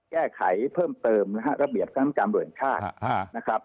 แก้ไขเพิ่มเติมนะฮะระเบียบค้นธรรมการบริวัติศาสตร์นะครับ